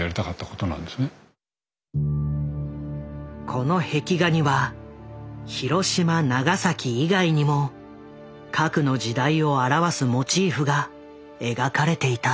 この壁画にはヒロシマ・ナガサキ以外にも核の時代を表すモチーフが描かれていた。